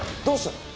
どうした？